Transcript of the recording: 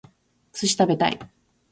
寿司食べたい